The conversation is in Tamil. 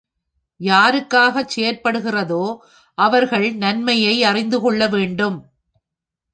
யாருக்காகச் செய்யப்படுகிறதோ அவர்கள் நன்மையை அறிந்துகொள்ள வேண்டும்.